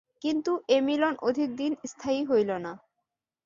কিন্তু, এ মিলন অধিকদিন স্থায়ী হইল না।